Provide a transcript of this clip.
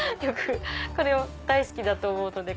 これ大好きだと思うので。